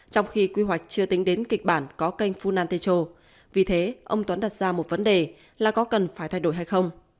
trong khi quy hoạch chưa tính đến kịch bản có kênh funanetro vì thế ông tuấn đặt ra một vấn đề là có cần phải thay đổi hay không